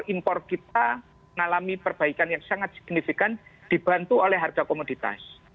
impor kita mengalami perbaikan yang sangat signifikan dibantu oleh harga komoditas